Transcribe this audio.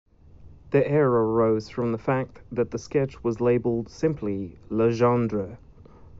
The error arose from the fact that the sketch was labelled simply "Legendre".